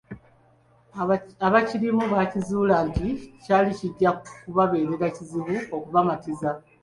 Abaakirimu baakizuula nti kyali kijja kubabeerera kizibu okubamattiza